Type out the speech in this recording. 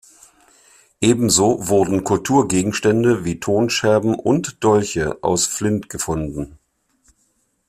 Ebenso wurden Kulturgegenstände wie Tonscherben und Dolche aus Flint gefunden.